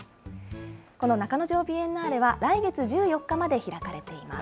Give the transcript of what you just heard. この中之条ビエンナーレは、来月１４日まで開かれています。